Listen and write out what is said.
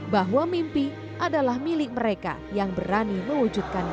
bahwa mimpi adalah milik mereka yang berani mewujudkannya